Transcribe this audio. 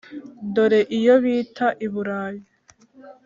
dore iyo bita i burayi.